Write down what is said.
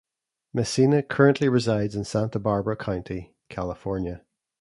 Messina currently resides in Santa Barbara County, California.